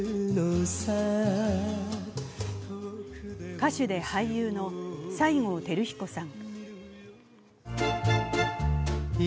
歌手で俳優の西郷輝彦さん。